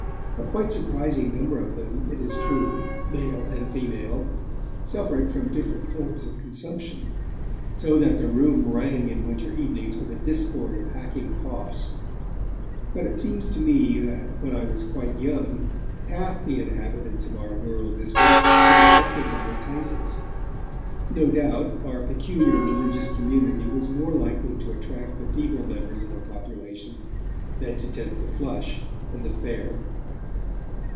A quite surprising number of them, it is true, male and female, suffered from different forms of consumption, so that the Room rang in winter evenings with a discord of hacking coughs. But it seems to me that, when I was quite young, half the inhabitants of our rural district were affected with phthisis. No doubt, our peculiar religious community was more likely to attract the feeble members of a population, than to tempt the flush and the fair.